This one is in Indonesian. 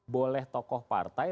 boleh tokoh partai